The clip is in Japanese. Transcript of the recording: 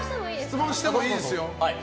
質問してもいいですよ。